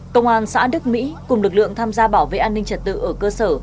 công an xã đức mỹ cùng lực lượng tham gia bảo vệ an ninh trật tự ở cơ sở